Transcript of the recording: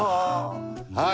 はい。